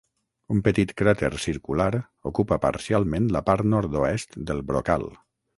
Un petit cràter circular ocupa parcialment la part nord-oest del brocal.